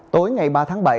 tối ngày ba tháng bảy